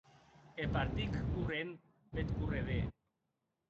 E partic corrent peth correder.